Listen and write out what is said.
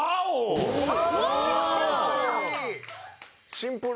シンプル。